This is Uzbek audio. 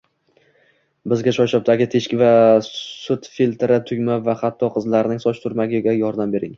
Bizga choyshabdagi teshik, sut filtri, tugma va hatto qizlarning soch turmagi yordam berdi